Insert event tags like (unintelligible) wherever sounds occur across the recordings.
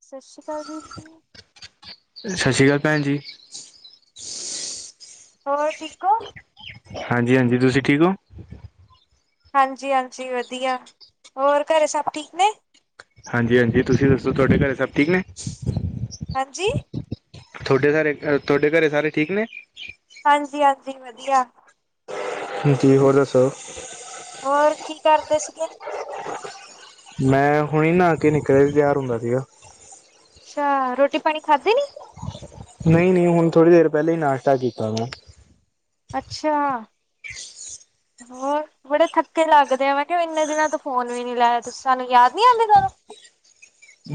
ਸਤਿ ਸ਼੍ਰੀ ਅਕਾਲ ਵੀਰ ਜੀ। ਸਤਿ ਸ਼੍ਰੀ ਅਕਾਲ ਭੈਣਜੀ। ਹੋਰ ਠੀਕ ਓ। ਹਾਂਜੀ -ਹਾਂਜੀ, ਤੁਸੀਂ ਠੀਕ ਹੋ। ਹਾਂਜੀ- ਹਾਂਜੀ ਵਧੀਆਂ, ਹੋਰ ਘਰੇਂ ਸਭ ਠੀਕ ਨੇਂ। ਹਾਂਜੀ- ਹਾਂਜੀ, ਤੁਸੀਂ ਦੱਸੋ ਤੁਹਾਡੇ ਘਰੇ ਸਭ ਠੀਕ ਨੇ। ਹਾਂਜੀ। ਤੁਹਾਡੇ ਘਰੇ- ਤੁਹਾਡੇ ਘਰੇ ਸਾਰੇ ਠੀਕ ਨੇ। ਹਾਂਜੀ -ਹਾਂਜੀ ਵਧੀਆਂ। ਜੀ ਤੁਸੀਂ ਫ਼ਿਰ ਦੱਸੋਂ। ਹੋਰ ਕੀ ਕਰਦੇ ਸੀਗੇ। ਮੈਂ ਹੁਣੇ ਨਹਾ ਕੇ ਨਿਕਲ਼ਿਆ, ਤਿਆਰ ਹੁੰਦਾਂ ਸੀਗਾ। ਅੱਛਾ ਰੋਟੀ ਪਾਣੀਂ ਖਾਂਧੀ ਨੀਂ। ਨਹੀਂ- ਨਹੀਂ ਹੁਣ ਥੋੜ੍ਹੀ ਦੇਰ ਪਹਿਲੇ ਹੀ ਨਾਸ਼ਤਾ ਕੀਤਾ ਮੈਂ। ਅੱਛਾ। ਹੋਰ ਬੜੇ ਥੱਕੇ ਲੱਗਦੇ ਆ, ਮੈਂ ਕਿਹਾ ਇੰਨੇ ਦਿਨਾਂ ਤੋਂ ਫੋਨ ਵੀ ਨੀ ਲਾਇਆ ਤੁਸੀਂ ਸਾਂਨੂੰ, ਯਾਦ ਨੀ ਆਉਂਦੀ ਤੁਹਾਂਨੂੰ।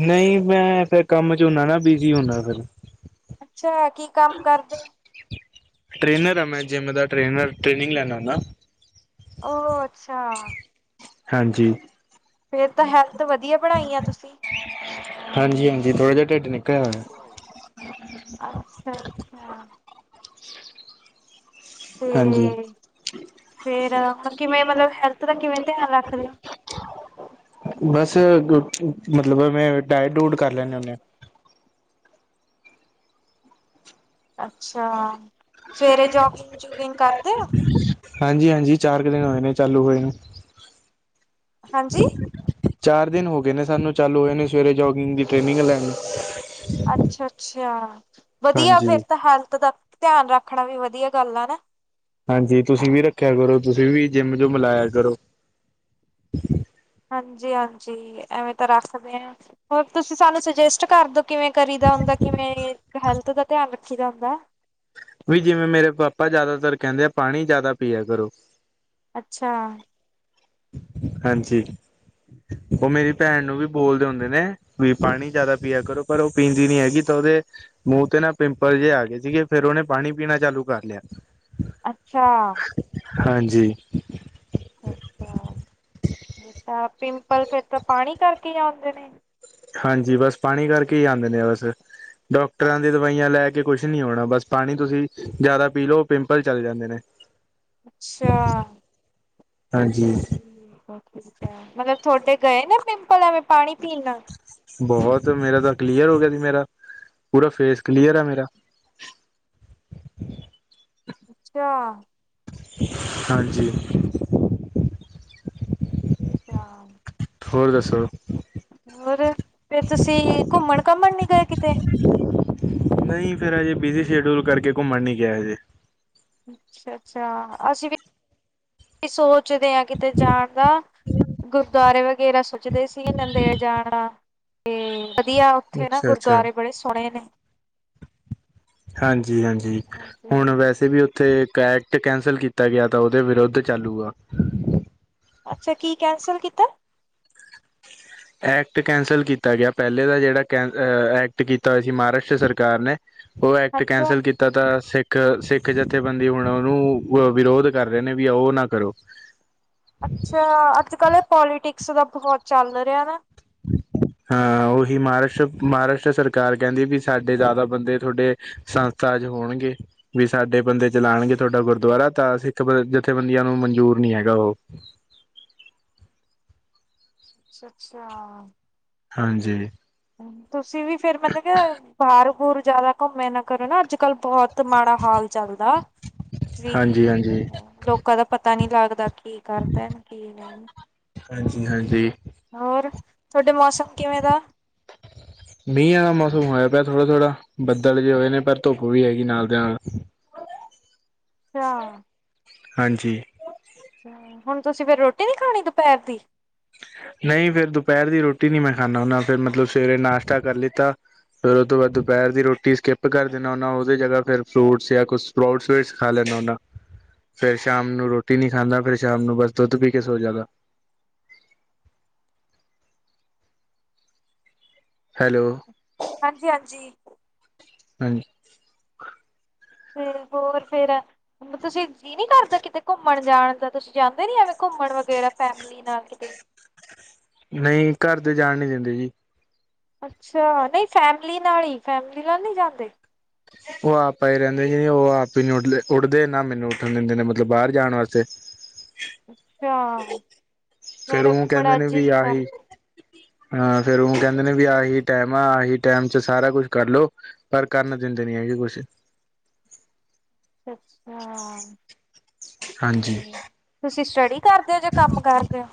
ਨਹੀਂ ਮੈਂ ਫ਼ੇਰ ਕੰਮ ਚ ਹੁੰਦਾ ਨਾ, ਬਿਜੀ ਹੁੰਦਾਂ ਫ਼ਿਰ। ਅੱਛਾ, ਕੀ ਕੰਮ ਕਰਦੇਂ। ਟਰੇਨਰ ਆ ਮੈਂ ਜਿੰਮ ਦਾ, ਟਰੇਨਰ ਟ੍ਰੇਨਿੰਗ ਲੈਨਾ ਨਾ। ਓ ਅੱਛਾ। ਹਾਂਜੀ। ਫ਼ਿਰ ਤਾਂ ਹੈਲਥ ਵਧੀਆਂ, ਬਣਾਈਂ ਆ ਤੁਸੀਂ। ਹਾਂਜੀ- ਹਾਂਜੀ ਥੋੜਾ ਜਾਂ ਢਿੱਡ ਨਿਕਲ਼ ਆਉਣਾਂ। ਅੱਛਾ। ਹਾਂਜੀ। ਤੇ ਫੇਰ ਹੁਣ ਕਿਵੇਂ ਮਤਲਬ ਹੈਲਥ ਦਾ ਕਿਵੇਂ ਧਿਆਨ ਰੱਖਦੇ ਹੋ? ਬਸ ਮੱਤਲਬ ਮੈਂ ਡੈਟ ਡੂਟ ਕਰ ਲੈਨਾਂ ਹੁੰਨਾ। ਅੱਛਾ, ਸਵੇਰੇ ਜੋਗਿੰਗ- ਜੁਗਿੰਗ ਕਰਦੇ ਔ। ਹਾਂਜੀ- ਹਾਂਜੀ, ਚਾਰ ਕੁ ਦਿਨ ਹੋਏ ਨੇ ਚਾਲੂ ਹੋਈ ਨੂੰ। ਹਾਂਜੀ। ਚਾਰ ਦਿਨ ਹੋ ਗਏ ਨੇ ਸਾਨੂੰ ਚਾਲੂ ਹੋਇਆ ਨੂੰ ਸਵੇਰੇ ਜੋਗਿੰਗ ਦੀ ਟ੍ਰੇਨਿੰਗ ਲੈਣ। ਅੱਛਾ-ਅੱਛਾ ਵਧੀਆ ਫੇਰ ਹਾਂਜੀ ਤਾਂ ਹੈਲਥ ਦਾ ਧਿਆਨ ਰੱਖਣਾ ਵੀ ਵਧੀਆ ਗੱਲ ਆ ਨਾ। ਹਾਂਜੀ ਤੁਸੀਂ ਵੀ ਰੱਖਿਆ ਕਰੋ ਤੁਸੀਂ ਵੀ ਜਿੰਮ ਜੂਮ ਲਾਇਆ ਕਰੋ। ਹਾਂਜੀ-ਹਾਂਜੀ ਐਵੇਂ ਤਾਂ ਰੱਖਦੇ ਆ ਹੋਰ ਤੁਸੀਂ ਸਾਨੂੰ ਸੁਜੈਸਟ ਕਰਦੋ। ਕਿਵੇਂ ਕਰੀ ਦਾ ਹੁੰਦਾ, ਕਿਵੇਂ ਹੈਲਥ ਦਾ ਧਿਆਨ ਰੱਖੀ ਦਾ ਹੁੰਦਾ। ਵੀ ਜਿਵੇਂ ਮੇਰੇ ਪਾਪਾ ਜਿਆਦਾਤਰ ਕਹਿੰਦੇ ਆ, ਪਾਣੀ ਜ਼ਿਆਦਾ ਪਿਆ ਕਰੋ। ਅੱਛਾ। ਹਾਂਜੀ, ਉਹ ਮੇਰੀ ਭੈਣ ਨੂੰ ਵੀ ਬੋਲਦੇ ਹੁੰਦੇ ਨੇ। ਵੀ ਪਾਣੀ ਜਿਆਦਾ ਪਿਆ ਕਰੋ, ਪਰ ਉਹ ਪੀਂਦੀ ਨੀ ਹੈਗੀ ਤਾਂ ਉਹਦੇ ਮੂੰਹ ਤੇ ਨਾ ਪਿੰਪਲ ਜਿਹੇ ਆ ਗਏ ਸੀਗੇ ਫੇਰ ਉਹਨੇ ਪਾਣੀ ਪੀਣਾ ਚਾਲੂ ਕਰ ਲਿਆ। ਅੱਛਾ। ਹਾਂਜੀ। ਅੱਛਾ-ਅੱਛਾ ਤਾਂ ਪਿੰਪਲ ਫੇਰ ਤਾਂ ਪਾਣੀ ਕਰਕੇ ਈ ਆਉਂਦੇ ਨੇ? ਹਾਂਜੀ, ਬਸ ਪਾਣੀ ਕਰਕੇ ਹੀ ਆਦੇ ਨੇ ਜ਼ਿਆਦਾਤਰ। ਡਾਕਟਰਾਂ ਦੀ ਦਵਾਈਆਂ ਲੈ ਕੇ ਕੁਛ ਨੀ ਹੋਣਾ। ਬਸ ਪਾਣੀ ਤੁਸੀਂ ਜਿਆਦਾ ਪੀ ਲਓ, ਪਿੰਪਲ ਚੱਲ ਜਾਂਦੇ ਨੇ। ਅੱਛਾ। ਹਾਂਜੀ ਠੀਕ ਐ, ਮਤਲਬ ਥੋਡੇ ਗਏ ਨੇ ਪਿੰਪਲਾ ਐਵੇ ਪਾਣੀ ਪੀਣਾ ਨਾਲ? ਬਹੁਤ ਮੇਰਾ ਤਾਂ ਕਲੀਅਰ ਹੋ ਗਿਆ ਸੀ ਮੇਰਾ ਪੂਰਾ ਫੇਸ ਕਲੀਅਰ ਆ ਮੇਰਾ। ਚਾ ਹਾਂਜੀ। ਅੱਛਾ। ਹੋਰ ਦੱਸੋ ਹੋਰ ਫੇਰ ਤੁਸੀਂ ਘੁੰਮਣ ਘਾਮਣ ਨੀ ਗਏ ਕਿਤੇ? ਨਹੀਂ ਫੇਰ ਅਜੇ ਬੀਜੀ ਸ਼ਡਿਊਲ ਕਰਕੇ ਘੁੰਮਣ ਨੀ ਗਿਆ ਹਜੇ। ਅੱਛਾ-ਅੱਛਾ, ਅਸੀਂ ਵੀ ਸੋਚਦੇ ਆ ਕਿਤੇ ਜਾਣ ਦਾ ਗੁਰਦੁਆਰੇ ਵਗੈਰਾ ਸੋ ਦੇ ਸੀ ਨਦੇੜ ਸੀ ਨੰਦੇੜ ਜਾਣਾ ਤੇ ਵਧੀਆ ਉੱਥੇ ਨਾ ਗੁਰਦੁਆਰੇ ਬੜੇ ਸੋਹਣੇ ਨੇ। ਹਾਂਜੀ-ਹਾਂਜੀ, ਹੁਣ ਵੈਸੇ ਵੀ ਉੱਥੇ ਕੈ ਟ ਕੈਂਸਲ ਕੀਤਾ ਗਿਆ ਤਾਂ ਉਹਦੇ ਵਿਰੁੱਧ ਚਾਲੂ ਆ। ਅੱਛਾ, ਕੀ ਕੈਂਸਲ ਕੀਤਾ? ਐਕਟ ਕੈਂਸਲ ਕੀਤਾ ਗਿਆ। ਪਹਿਲੇ ਦਾ ਜਿਹੜਾ ਕੈ ਐਕਟ ਕੀਤਾ ਹੋਇਆ ਸੀ ਮਹਾਰਾਸ਼ਟਰ ਸਰਕਾਰ ਨੇ। ਉਹ ਐਕਟ ਅੱਛਾ ਕੈਂਸਲ ਕੀਤ ਤਾ ਤਾਂ ਸਿੱਖ, ਸਿੱਖ ਜਥੇਬੰਦੀ ਹੁਣ ਉਹਨੂੰ ਵਿਰੋਧ ਕਰ ਰਹੇ ਨੇ ਵੀ ਓ ਨਾ ਕਰੋ। ਅੱਛਾ, ਅੱਜ-ਕੱਲ ਏਹ ਪੋਲੀਟਿਕਸ ਦਾ ਬਹੁਤ ਚੱਲ ਰਿਹਾ ਨਾ। ਹਾਂ ਉਹੀ ਮਹਾਰਾਸ਼ਟਰ, ਮਹਾਰਾਸ਼ਟਰ ਸਰਕਾਰ ਕਹਿੰਦੀ ਵੀ ਸਾਡੇ ਜ਼ਿਆਦਾ ਬੰਦੇ ਥੋਡੇ ਸੰਸਥਾ ਚ ਹੋਣਗੇ। ਵੀ ਸਾਡੇ ਬੰਦੇ ਚਲਾਣਗੇ ਤੁਹਾਡਾ ਗੁਰਦੁਆਰਾ ਤਾਂ ਸਿੱਖ ਜਥੇਬੰਦੀਆਂ ਨੂੰ ਮਨਜ਼ੂਰ ਨੀ ਹੈਗਾ ਉਹ। ਅੱਛਾ-ਅੱਛਾ। ਹਾਂਜੀ। ਤੁਸੀਂ ਵੀ ਫੇਰ ਮਤਲਬ ਕਿ ਬਾਹਰ ਬੂਰ ਜ਼ਿਆਦਾ ਘੁੰਮਿਆ ਨਾ ਕਰੋ ਨਾ ਅੱਜ-ਕੱਲ ਬਹੁ ਤ ਮਾੜਾ ਹਾਲ ਚਲਦਾ, ਵੀ ਹਾਂਜੀ ਹਾਂਜੀ ਲੋਕ ਲੋਕਾ ਦਾ ਪਤਾ ਨੀ ਲੱਗਦਾ ਕੀ ਕਰ ਦੇਣ ਕੀ ਨ‌ਈ। ਹਾਂਜੀ-ਹਾਂਜੀ। ਹੋਰ ਥੋਡੇ ਮੌਸਮ ਕਿਵੇਂ ਦਾ? ਮੀਹਾਂ ਆਲਾ ਮੌਸਮ ਹੋਇਆ ਪਿਆ ਥੋੜਾ-ਥੋੜਾ ਬੱਦਲ ਜੇ ਹੋਏ ਨੇ ਪਰ ਧੁੱਪ ਵੀ ਹੈਗੀ ਨਾਲ ਦੇ ਨਾਲ। ਅੱਛਾ। ਹਾਂਜੀ ਹੁਣ ਤੁਸੀਂ ਫੇਰ ਰੋਟੀ ਨੀ ਖਾਣੀ ਦੋਪਹਰ ਦੀ। ਨਈ ਫੇਰ ਦੁਪਹਿਰ ਦੀ ਰੋਟੀ ਨੀ ਮੈਂ ਖਾਨਾ ਹੁੰਨਾ ਫਿਰ ਮਤਲਬ ਸਵੇਰੇ ਨਾਸ਼ਤਾ ਕਰ ਲਿੱਤਾ ਫੇਰ ਉ ਤੋਂ ਬਾਦ ਦੁਪਹਿਰ ਦੀ ਰੋਟੀ ਸਕਿੱਪ ਕਰ ਦੇਣਾ ਹੁਨਾ ਉਹਦੇ ਜਗ੍ਹਾ ਫੇਰ ਫਰੂਟਸ ਯਾ ਕੁਛ ਪ੍ਰਊਡ ਸਵੀਟਸ ਖਾ ਲੈਨਾ ਹੁੰਨਾ। ਫੇਰ ਸ਼ਾਮ ਨੂੰ ਰੋਟੀ ਨੀ ਖਾਂਦਾ ਫੇਰ ਸ਼ਾਮ ਨੂੰ ਬਸ ਦੁੱਧ ਪੀ ਕੇ ਸੋ ਜਾਂਦਾ। ਹੈਲੋ ਹਾਂਜੀ-ਹਾਂਜੀ ਹਾਂਜ ਫ ਹੋਰ ਫੇਰ ਤੁਸੀਂ ਜੀਅ ਨੀ ਕਰਦਾ ਕਿਤੇ ਘੁੰਮਣ ਜਾਣ ਦਾ ਤੁਸੀਂ ਜਾਂਦੇ ਨੀ ਐਵੇਂ ਘੁੰਮਣ ਵਗੈਰਾ ਫੈਮਿਲੀ ਨਾਲ ਕਿਤੇ। ਨਈ ਘਰ ਦੇ ਜਾਣ ਨੀ ਦਿੰਦੇ ਜੀ। ਅੱਛਾ ਨਈ ਫੈਮਿਲੀ ਨਾਲ ਹੀ ਫੈਮਿਲੀ ਨਾਲ ਨੀ ਜਾਂਦੇ। ਉਹ ਆਪ ਪਏ ਰਹਿੰਦੇ ਜੇ ਉਹ ਆਪ ਹੀ ਨੀ ਉੱਠਦੇ, ਉੱਠਦੇ ਨਾ ਮੈਨੂੰ ਉੱਠਣ ਦਿੰਦੇ ਨੇ ਮਤਲਬ ਬਾਰ ਜਾਣ ਵਾਸਤੇ। ਅੱਛਾ ਫੇਰ ਮੇਰਾ ਉਹ ਵੀ ਕਹਿੰਦੇ ਬੜਾ ਨੇ ਵੀ ਜੀਅ ਕਰ ਆਹੀ ਹਾਂ ਫੇਰ ਉਹ ਕਹਿੰਦੇ ਨੇ ਵੀ ਆਹੀ ਟੈਮ ਆ ਆਹੀ ਟੈਮ ਚ ਸਾਰਾ ਕੁਛ ਕਰਲੋ ਪਰ ਕਰਨ ਦਿੰਦੇ ਨੀ ਹੈਗੇ ਕੁਛ। ਅੱਛਾ ਅੱਛਾ ਹਾਂਜੀ (unintelligible) ਤੁਸੀਂ ਸਟੱਡੀ ਕਰਦੇ ਹੋ ਜਾਂ ਕੰਮ ਕਰਦੇ ਹੋ?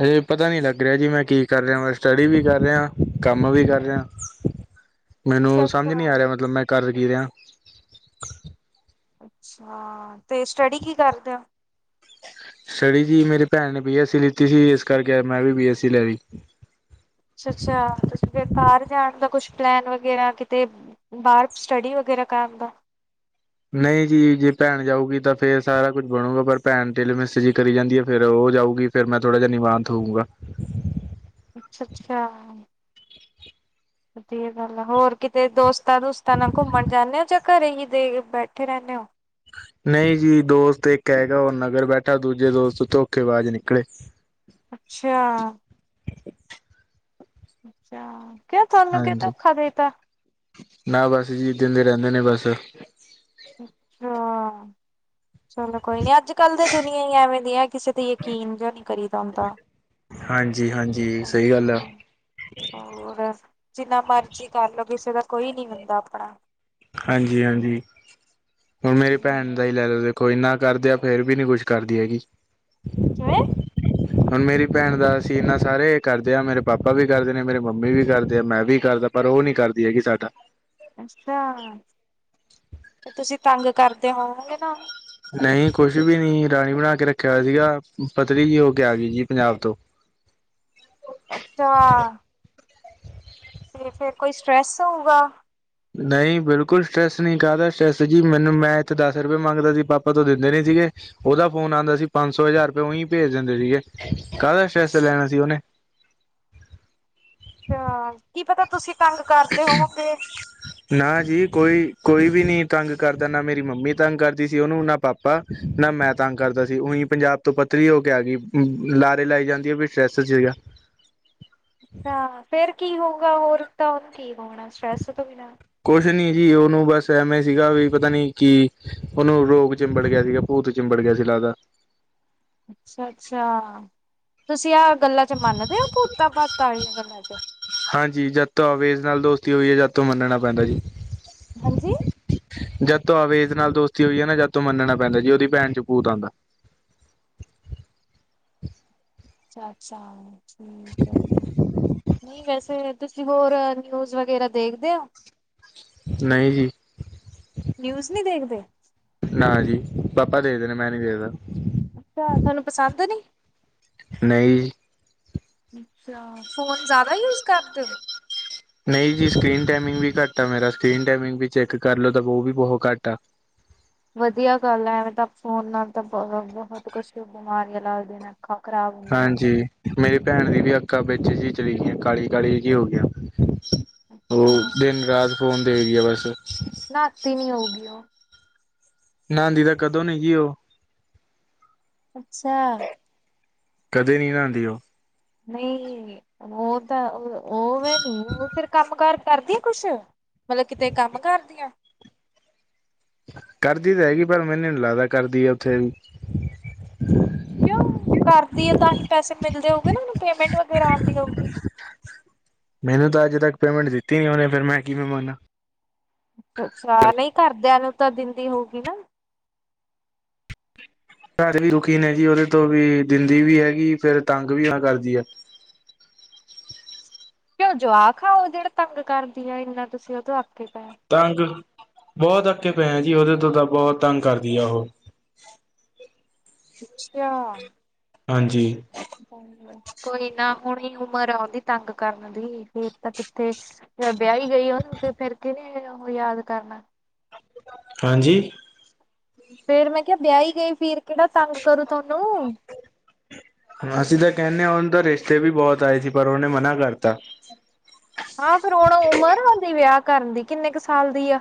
ਹਜੇ ਪਤਾ ਨੀ ਲੱਗ ਰਿਹਾ ਜੀ ਮੈਂ ਕੀ ਕਰ ਰਿਹਾ ਮ ਸਟੱਡੀ ਵੀ ਕਰ ਰਿਹਾ ਕੰਮ ਵੀ ਕਰ ਰਿਹਾ। ਅੱਛਾ ਮੈਨੂੰ ਸਮਝ ਨੀ ਆ ਅੱਛਾ ਰਿਹਾ ਮਤਲਬ ਮੈਂ ਕਰ ਕੀ ਰਿਹਾ। ਅੱਛਾ ਤੇ ਸਟੱਡੀ ਕੀ ਕਰਦੇ ਓ? ਸਟਡੀ ਜੀ ਮੇਰੀ ਭੈਣ ਨੇ ਬੀਐੱਸਸੀ ਲਿੱਤੀ ਸੀ ਇਸ ਕਰਕੇ ਮੈਂ ਵੀ ਬੀਐੱਸਸੀ ਲੈ ਲੀ। ਅੱਛਾ-ਅੱਛਾ ਤੁਸੀਂ ਫੇਰ ਬਾਰ ਜਾਣ ਦਾ ਕੁਛ ਪਲੈਨ ਵਗੈਰਾ ਕਿਤੇ ਬਾਹਰ ਸਟੱਡੀ ਵਗੈਰਾ ਕ ਦਾ। ਨਹੀਂ ਜੀ ਜੇ ਭੈਣ ਜਾਊਗੀ ਤਾਂ ਫੇਰ ਸਾਰਾ ਕੁੱਝ ਬਣੂਗਾ ਪਰ ਭੈਣ ਤਿਲ ਮਿਸ ਜੀ ਕਰੀ ਜਾਂਦੀ ਹੈ ਫੇਰ ਉਹ ਜਾਊਗੀ ਫਿਰ ਮੈਂ ਥੋੜਾ ਜਾ ਨੀਵਾਂਤ ਹੋਊਗਾ। ਅੱਛਾ-ਅੱਛਾ ਵਧੀਆ ਗੱਲ ਆ ਹੋਰ ਕਿਤੇ ਦੋਸਤਾ-ਦੂਸਤਾ ਨਾਲ ਘੁੰਮਣ ਜਾਂਦੇ ਹੋ ਜਾਂ ਘਰੇ ਹੀ ਦੇ ਬੈਠੇ ਰਹਿੰਦੇ ਹੋ। ਨਈ ਜੀ ਦੋਸਤ ਇੱਕ ਹੈਗਾ ਉਹ ਨਗਰ ਬੈਠਾ ਦੂਜੇ ਦੋਸਤ ਧੋਖੇ ਬਾਜ਼ ਨਿਕਲੇ। ਅੱਛਾ ਅੱਛਾ, ਕਿਉ ਤੁਹਾਨੂੰ ਕੀ ਹਾਂਜੀ ਧੋਖਾ ਦੇਤਾ? ਨਾ ਬਸ ਜੀ (unintelligible) ਰਹਿੰਦੇ ਨੇ ਬਸ। ਅੱਛਾ, ਚਲੋ ਕੋਈ ਨੀ ਅੱਜ ਕੱਲ ਦੀ ਦੁਨੀਆਂ ਹੀ ਐਵੇਂ ਦੀ ਹੈ ਕਿਸੇ ਤੇ ਯਕੀਨ ਜਿਹਾ ਨੀ ਕਰੀਦਾ ਹੁੰਦਾ। ਹਾਂਜੀ ਹਾਂਜ ਓਕੇ। ਹੋਰ ਜਿੰਨਾ ਮਰਜੀ ਕਰਲੋ ਕਿਸੇ ਦਾ ਕੋਈ ਨੀ ਹੁੰਦਾ ਆਪਣਾ। ਹਾਂਜੀ-ਹਾਂਜੀ ਹੁਣ ਮੇਰੀ ਹੂੰ ਭੈਣ ਦਾ ਹੀ ਲੈ ਲੋ ਦੇਖੋ ਇੰਨਾ ਕਰਦੇ ਆ ਫੇਰ ਵੀ ਨੀ ਕੁਛ ਕਰਦੀ ਹੈਗੀ। ਕਿਵੇਂ? ਹੁਣ ਮੇਰੀ ਭੈਣ ਦਾ ਅਸੀਂ ਇਨਾਂ ਸਾਰੇ ਕਰਦੇ ਆ ਮੇਰੇ ਪਾਪਾ ਵੀ ਕਰਦੇ ਨੇ ਮੇਰੇ ਮੰਮੀ ਵੀ ਕਰਦੇ ਆ ਮੈਂ ਵੀ ਕਰਦਾ। ਪਰ ਓ ਨੀ ਕਰਦੀ ਹੈਗੀ ਸਾਡਾ। ਅੱਛਾ 'ਤੇ ਤੁਸੀਂ ਤੰਗ ਕਰਦੇ ਹੋਵੋਗੇ ਨਾ ਉਨੂੰ। ਨਹੀਂ ਕੁਛ ਵੀ ਨੀ ਰਾਣੀ ਬਣਾ ਕੇ ਰੱਖਿਆ ਹੋਇਆ ਸੀਗਾ ਪਤਰੀ ਜੀ ਹੋ ਕੇ ਆਗੀ ਜੀ ਪੰਜਾਬ ਤੋਂ। ਅੱਚਾ! 'ਤੇ ਫਿਰ ਕੋਈ ਸਟਰੈਸ ਹੋਊਗਾ? ਨਈ ਬਿਲਕੁੱਲ ਸਟਰੈਸ ਨੀ ਕਾਹਦਾ ਸਟਰੈੱਸ ਜੀ ਮੈਨੂੰ ਮੈਂ ਇੱਥੋ ਦਸ ਰੁਪਏ ਮੰਗਦਾ ਸੀ ਪਾਪਾ ਤੋਂ ਦਿੰਦੇ ਨੀ ਸੀਗੇ ਉਦਾ ਫੋਨ ਆਂਦਾ ਸੀ ਪੰਜ ਸੌ, ਹਜ਼ਾਰ ਰੁਪਏ ਉਈ ਭੇਜ ਦਿੰਦੇ ਸੀਗੇ। ਕਾਦਾ ਸਟ੍ਰੈੱਸ ਲੈਣਾ ਸੀ ਉਨੇ। ਕੀ ਪਤਾ ਤੁਸੀਂ ਤੰਗ ਕਰਦੇ ਹੋਵੋਗੇ? ਨਾ ਜੀ ਕੋਈ, ਕੋਈ ਵੀ ਨੀ ਤੰਗ ਕਰਦਾ ਨਾ ਮੇਰੀ ਮੰਮੀ ਤੰਗ ਕਰਦੀ ਸੀ, ਉਨੂੰ ਨਾ ਪਾ ਪਾ ਨਾ ਮੈਂ ਤੰਗ ਕਰਦਾ ਸੀ ਉਈ ਪੰਜਾਬ ਤੋਂ ਪੱਤਰੀ ਹੋ ਕੇ ਆ ਗਈ ਲਾਰੇ ਲਾਈ ਜਾਂਦੀ ਐ ਵੀ ਸਟ੍ਰੈੱਸ 'ਚ ਹੋਈ ਆ। ਆ ਫੇਰ ਕੀ ਹੋਊਗਾ ਹੋਰ ਤਾਂ ਉਨੂੰ ਕੀ ਹੋਣਾ ਸਟਰੈੱਸ ਤੋਂ ਬਿਨਾਂ। ਕੁਛ ਨੀ ਜੀ ਉਨੂੰ ਬਸ ਐਵੇਂ ਸੀਗਾ ਵੀ ਪਤਾ ਨੀ ਕਿ ਉਨੂੰ ਰੋਗ ਚਿੰਬੜ ਗਿਆ ਸੀਗਾ ਭੂਤ ਚਿੰਬੜ ਗਿਆ ਸੀ ਲੱਗਦਾ। ਅੱਛਾ-ਅੱਛਾ ਤੁਸੀਂ ਆ ਗੱਲਾਂ 'ਚ ਮੰਨਦੇ ਓ ਭੂਤਾਂ ਪਾਤਾਂ ਆਲੀਆਂ ਗੱਲਾਂ 'ਚ? ਹਾਂਜੀ ਜਦ ਤੋਂ ਆਵੇਜ਼ ਨਾਲ ਦੋਸਤੀ ਹੋਈ ਆ ਜਦ ਤੋਂ ਮੰਨਣਾ ਪੈਂਦਾ ਜੀ। ਹਾਂਜੀ। ਜਦ ਤੋਂ ਆਵੇਜ਼ ਨਾਲ ਦੋਸਤੀ ਹੋਈ ਆ ਨਾ ਜਦ ਤੋਂ ਮੰਨਣਾ ਪੈਂਦਾ ਜੀ ਉਦੀ ਭੈਣ 'ਚ ਭੂਤ ਆਂਦਾ। ਅੱਛਾ-ਅੱਛਾ ਠੀਕ ਐ, ਨਈ ਵੈਸੇ ਤੁਸੀਂ ਹੋਰ ਨਿਊਜ਼ ਵਗੈਰਾ ਦੇਖਦੇ ਆ? ਨਈ ਜੀ। ਨਿਊਜ਼ ਨੀ ਦੇਖਦੇ? ਨਾ ਜੀ ਪਾਪਾ ਦੇਖਦੇ ਨੇ ਮੈਂ ਨੀ ਦੇਖਦਾ। ਕਿਉਂ ਥੋਨੂੰ ਪਸੰਦ ਨੀ? ਨਈ ਜੀ। ਅੱਛਾ ਫੋਨ ਜ਼ਿਆਦਾ ਯੂਜ ਕਰਦੇ? ਨਈ ਜੀ ਸਕਰੀਨ ਟਾਈਮਿੰਗ ਵੀ ਘੱਟ ਆ ਮੇਰਾ, ਸਕਰੀਨ ਟਾਈਮਿੰਗ ਵੀ ਚੈੱਕ ਕਰ ਲੋ ਤਾਂ ਓ ਵੀ ਬਹੁ ਘੱਟ ਆ। ਵਧੀਆ ਗੱਲ ਆ ਐਵੇ ਤਾਂ ਫੋਨ ਨਾਲ ਤਾਂ ਬ ਬਹੁਤ ਕੁਛ ਬਿਮਾਰੀਆਂ ਲੱਗਦੇਅ ਨੇ। ਖਾ ਖਰਾਬ ਹਾਂਜੀ ਮੇਰੀ ਭੈਣ ਦੀ ਵੀ ਅੱਖਾਂ ਵਿੱਚ ਜੀ ਚਲੀ ਗੀਆ ਕਾਲੀ-ਕਾਲੀ ਜੀ ਹੋ ਗੀਆ। ਓ ਅੱਛਾ। ਦਿਨ-ਰਾਤ ਫੋਨ ਦੇਖ ਦੀ ਆ ਬਸ। ਨਾਤੀ ਨੀ ਉਗੀਓ। ਨਾਂਦੀ ਤਾਂ ਕਦੋਂ ਨੀ ਜੀ ਓ। ਅੱਛਾ। ਕਦੇ ਨੀ ਨਾਂ ਦੀ ਓ। ਨਈ ਹੋ ਤਾਂ ਉਵੇ ਨੀ ਓ ਫੇਰ ਕੰਮ ਕਾਰ ਕਰਦੀ ਆ ਕੁਛ? ਮਤਲ ਕਿਤੇ ਕੰਮ ਕਰਦੀ ਆ? ਕਰਦੀ ਤਾਂ ਹੈਗੀ ਪਰ ਮੈਨੇ ਨੀ ਲੱਗਦਾ ਕਰਦੀ ਆ ਉੱਥੇ। ਕਿਉਂ ਕਰਦੀ ਆ ਤਾਂ ਹੀ ਪੈਸੇ ਮਿਲਦੇ ਹੋਗੇ ਨਾ ਉਨੂੰ ਪੇਮੈਂਟ ਵਗੈਰਾ ਆਂਦੀ ਹੋਊਗੀ? ਮੈਨੂੰ ਤਾਂ ਅੱਜ ਤੱਕ ਪੇਮੈਂਟ ਦਿੱਤੀ ਨੀ ਉਨੇ ਫਿਰ ਮੈਂ ਕਿਵੇਂ ਮੰਨਾ। ਅੱਛਾ ਨਈ ਘਰਦਿਆਂ ਨੂੰ ਤਾਂ ਦਿੰਦੀ ਹੋਊਗੀ ਨਾ? ਘਰ ਵੀ ਦੁੱਖੀ ਨੇ ਜੀ ਓਦੇ ਤੋਂ ਵੀ ਦਿੰਦੀ ਵੀ ਹੈਗੀ ਫੇਰ ਤੰਗ ਵੀ ਹਾ ਕਰਦੀ ਆ। ਕਿਓ ਜਵਾਕ ਆ ਓ ਜਿਹੜਾ ਤੰਗ ਕਰਦੀ ਆ ਐਨਾ ਤੁਸੀਂ ਉਦੋਂ ਅੱਕੇ ਪੇ ਓ। ਤੰਗ, ਬੋਤ ਅੱਕੇ ਪੇ ਆ ਜੀ ਉਦੇ ਤੋਂ ਤਾਂ ਬੋਹ ਤੰਗ ਕਰਦੀ ਆ ਉਹ। ਅੱਛਾ। ਹਾਂਜੀ। ਕੋਈ ਨਾ ਹੁਣੀ ਉਮਰ ਓਦੀ ਤੰਗ ਕਰਨ ਦੀ ਫਿਰ ਤਾਂ ਕਿੱਥੇ ਜੇ ਵਿਆਈ ਗਈ ਉਨੂੰ ਫੇਰ ਕਿਨੇ ਉਹ ਯਾਦ ਕਰਨਾ। ਹਾਂਜੀ। ਫੇਰ ਮੈਂ ਕੇਆ ਬਿਆਈ ਗਈ ਫੇਰ ਕੇੜਾ ਤੰਗ ਕਰੂ ਤੁਆਨੂੰ ਅਸੀਂ ਤਾਂ ਕੈਂਨੇ ਆ ਓਨ ਤਾਂ ਰਿਸ਼ਤੇ ਵੀ ਬਹੁਤ ਆਏ ਸੀ ਪਰ ਉਨੇ ਮਨਾ ਕਰਤਾ ਆ ਫਿਰ ਹੁਣ ਉਮਰ ਆ ਓਂਦੀ ਵਿਆਹ ਕਰਨ ਦੀ ਕਿੰਨੇ ਕੁ ਸਾਲ ਦੀ ਆ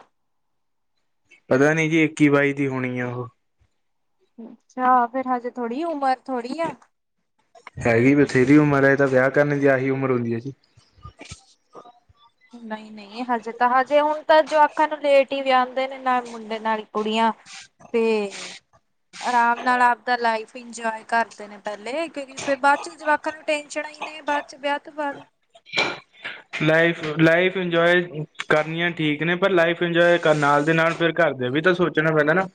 ਪਤਾ ਨੀ ਜੀ ਇੱਕੀ ਬਾਈ ਦੀ ਹੋਣੀ ਆ ਓ ਅੱਛਾ ਫੇਰ ਹਜੇ ਥੋੜੀ ਉਮਰ ਥੋੜੀ ਆ ਹੈਗੀ ਬਥੇਰੀ ਉਮਰ ਐ ਤਾਂ ਵਿਆਹ ਕਰਨ ਦੀ ਆਹੀ ਉਮਰ ਹੁੰਦੀ ਹੈ ਜੀ ਨਹੀਂ -ਨਹੀਂ ਹਜੇ ਤਾਂ ਹਜੇ ਹੁਣ ਤਾਂ ਜਵਾਕਾ ਨੂੰ ਲੇਟ ਹੀ ਵੇਆਂਦੇ ਨੇ ਨਾ- ਮੁੰਡੇ ਨਾਲ ਕੁੜੀਆਂ ਤੇ ਆਰਾਮ ਨਾਲ ਆਪਦਾ ਲਾਈਫ ਹੀ ਇੰਜੋਏ ਕਰਦੇ ਨੇ ਪੈਂਲੇ ਕਿਉਂਕਿ ਫਿਰ ਬਾਅਚ ਚ ਜਵਾਕਾਂ ਨੂੰ ਟੇਨਸ਼ਨ ਆ ਹੀ ਨੇ ਬਾ ਚ ਵਿਆਹ ਤੋਂ ਬਾਅਦ। ਲਾਈਫ -ਲਾਈਫ ਇੰਜੋਏ ਕਰਨੀ ਆਂ ਠੀਕ ਏ ਪਰ ਲਾਈਫ ਇੰਜੋਏ ਕਰਨ ਨਾਲ ਦੇ ਨਾਲ ਫਿਰ ਘਰ ਦੇ ਵੀ ਤਾਂ ਸੋਚ ਸੋਚਣਾ ਪੈਂਦਾ ਨਾ,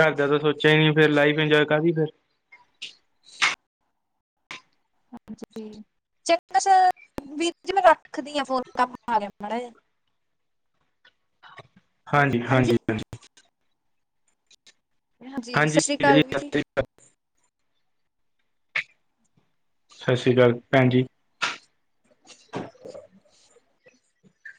ਘਰ ਦਾ ਤਾਂ ਸੋਚਿਆ ਹੀ ਨ ਫੇਰ ਲਾਈਫ ਇੰਜੋਏ ਕਾਦੀ ਫੇਰ। ਆਜੀ ਚੰਗਾ ਸਰ ਫੋਨ ਵਿੱਚ ਰੱਖ ਕੰਮ ਆਈ ਮਾੜਾ ਜਾ ਹਾਂਜੀ ਹਾਂਜੀ ਹਾਂਜੀ ਸਤਿ ਹਾਂਜੀ ਸ਼੍ਰੀ ਅਕਾਲ (unintelligible) (inaudible) ਵੀਰ ਸੱਤ ਜੀ ਸ੍ਰੀ ਅਕਾਲ ਜੀ ਕਾਲ ਭੈਣ ਜੀ।